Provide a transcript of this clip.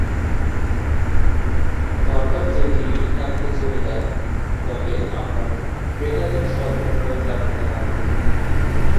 সরকার যদি রিহ্যাবকে জমি দেয়, তবে আমরা ক্রেতাদের স্বল্পমূল্যে ফ্ল্যাট দিতে পারব।